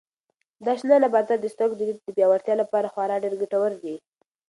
دا شنه نباتات د سترګو د لید د پیاوړتیا لپاره خورا ډېر ګټور دي.